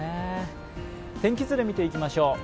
天気図で見ていきましょう。